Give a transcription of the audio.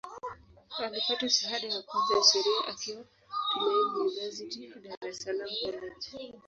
Alipata shahada ya kwanza ya Sheria akiwa Tumaini University, Dar es Salaam College.